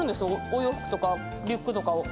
お洋服とかリュックとかを。